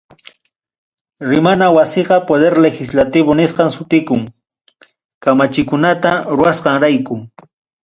Rimana wasiqa poder legislativo nisqan sutikun, kamachikunata ruwasqanrayku.